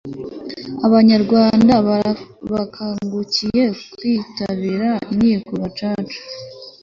abanyarwanda bakangukiye kwitabira inkiko gacaca